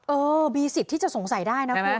เออมีสิทธิ์ที่จะสงสัยได้นะคุณ